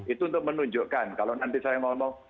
itu untuk menunjukkan kalau nanti saya ngomong